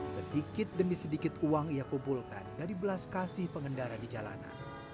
sedikit demi sedikit uang ia kumpulkan dari belas kasih pengendara di jalanan